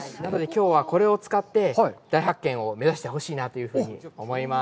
きょうはこれを使って大発見を目指してほしいなというふうに思います。